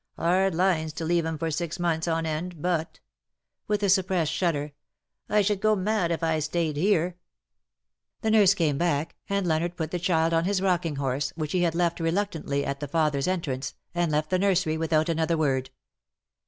Hard lines to leave him for six months on end — but^ *— with a suppressed shudder —'^ I should go mad if I stayed here." The nurse came back,, and Leonard put the child on his rockiug horse, which he had left reluctantly at the father's entrance, and left the nursery without another word.